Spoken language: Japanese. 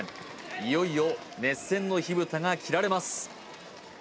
いよいよ熱戦の火蓋が切られます